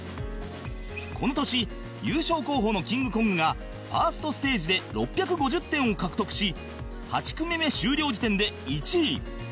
この年優勝候補のキングコングがファーストステージで６５０点を獲得し８組目終了時点で１位